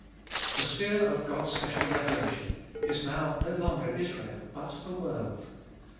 The sphere of God's special revelation is now no longer Israel, but the world.